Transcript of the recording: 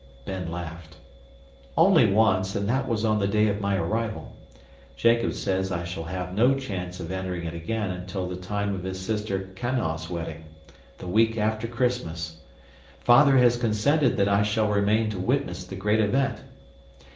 Ben laughed. "Only once, and that was on the day of my arrival. Jacob says I shall have no chance of entering it again until the time of his sister Kanau's wedding, the week after Christmas. Father has consented that I shall remain to witness the great event.